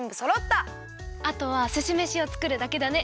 あとはすしめしをつくるだけだね！